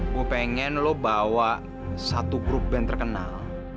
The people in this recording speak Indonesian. gue pengen lo bawa satu grup band terkenal